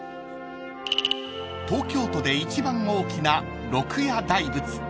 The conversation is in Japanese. ［東京都で一番大きな鹿野大佛］